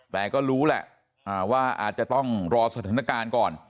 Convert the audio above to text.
แต่ก็รู้แหละว่าอาจจะต้องรอสถานการณ์ก่อน